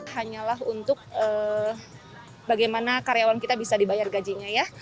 hanyalah untuk bagaimana karyawan kita bisa dibayar gajinya ya